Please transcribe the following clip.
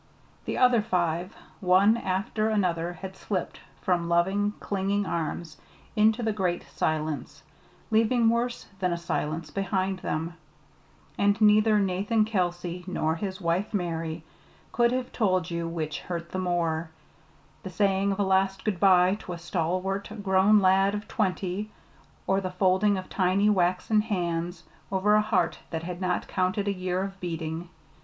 The other five, one after another, had slipped from loving, clinging arms into the great Silence, leaving worse than a silence behind them; and neither Nathan Kelsey nor his wife Mary could have told you which hurt the more, the saying of a last good bye to a stalwart, grown lad of twenty, or the folding of tiny, waxen hands over a heart that had not counted a year of beating.